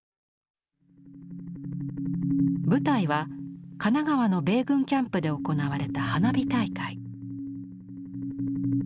舞台は神奈川の米軍キャンプで行われた花火大会。